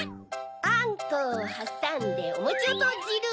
あんこをはさんでおもちをとじる